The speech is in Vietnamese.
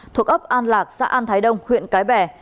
thuộc ấp an lạc xã an thái đông huyện cái bè